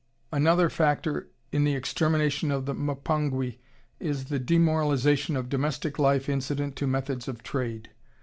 Another factor in the extermination of the Mpongwe is the demoralization of domestic life incident to methods of trade....